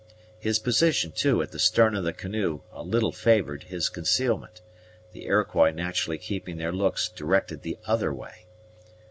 His position, too, at the stern of the canoe a little favored his concealment, the Iroquois naturally keeping their looks directed the other way.